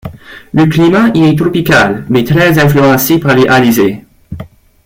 Le climat y est tropical mais très influencé par les alizés.